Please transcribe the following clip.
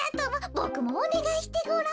ボクもおねがいしてごらん。